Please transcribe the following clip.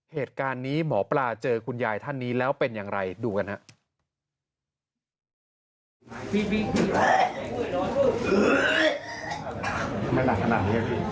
เหตุการณ์นี้หมอปลาเจอคุณยายท่านนี้แล้วเป็นอย่างไรดูกันครับ